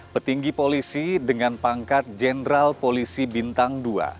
petinggi polisi dengan pangkat jenderal polisi bintang dua